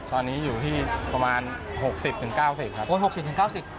ตอนนี้อยู่ที่ประมาณ๖๐๙๐ครับ